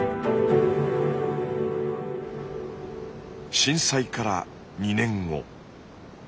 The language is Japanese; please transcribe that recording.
震災から２年後。